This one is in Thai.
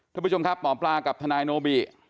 ท่านผู้ชมครับหมอปลากับทนายโนบิ